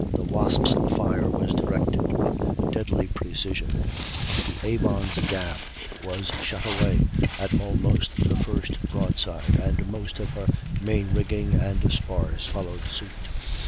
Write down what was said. ] In spite of the darkness the Wasp's fire was directed with deadly precision; the Avon's gaff was shot away at almost the first broadside, and most of her main rigging and spars followed suit.